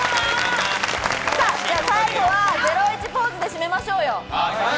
最後はゼロイチポーズで締めましょうよ。